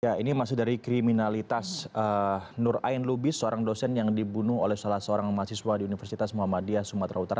ya ini masih dari kriminalitas nur ain lubis seorang dosen yang dibunuh oleh salah seorang mahasiswa di universitas muhammadiyah sumatera utara